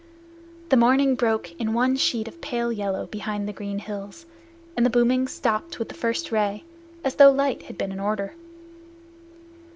The morning broke in one sheet of pale yellow behind the green hills, and the booming stopped with the first ray, as though the light had been an order.